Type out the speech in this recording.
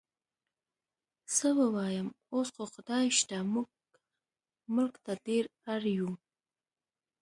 څه ووایم، اوس خو خدای شته موږ ملک ته ډېر اړ یو.